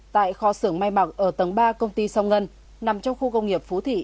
tại kho xưởng mai mạc ở tầng ba công ty sông ngân nằm trong khu công nghiệp phú thị